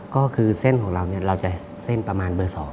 ก็คือเส้นของเราเราจะเส้นประมาณเบอร์๒